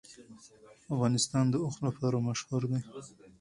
افغانستان د اوښ لپاره مشهور دی.